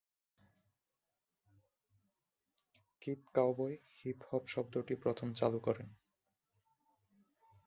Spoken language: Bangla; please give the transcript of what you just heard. কিথ কাউবয় হিপ হপ শব্দটি প্রথম চালু করেন।